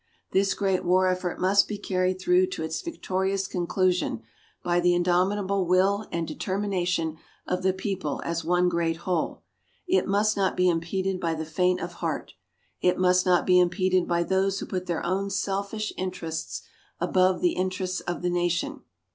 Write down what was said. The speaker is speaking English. This great war effort must be carried through to its victorious conclusion by the indomitable will and determination of the people as one great whole. It must not be impeded by the faint of heart. It must not be impeded by those who put their own selfish interests above the interests of the nation.